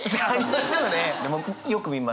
よく見ます。